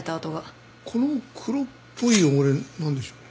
この黒っぽい汚れなんでしょう？